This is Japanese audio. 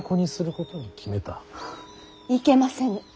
いけませぬ。